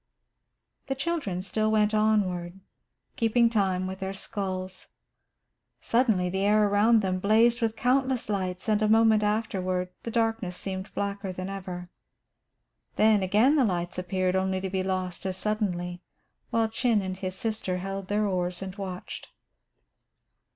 The children still went onward, keeping time with their sculls. Suddenly the air around them blazed with countless lights, and a moment afterward the darkness seemed blacker than ever. Then, again the lights appeared, only to be lost as suddenly, while Chin and his sister held their oars and watched.